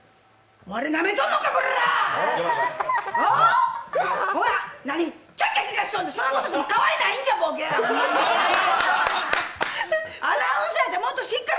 ワレ、なめとんのか！